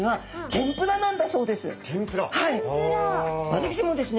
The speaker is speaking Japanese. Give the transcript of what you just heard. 私もですね